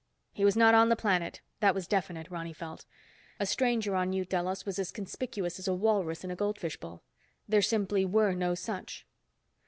He was not on the planet, that was definite Ronny felt. A stranger on New Delos was as conspicuous as a walrus in a goldfish bowl. There simply were no such.